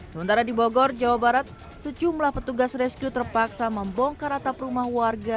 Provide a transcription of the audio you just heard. sementara di bogor jawa barat sejumlah petugas rescue terpaksa membongkar atap rumah warga